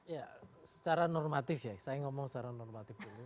ya secara normatif ya saya ngomong secara normatif dulu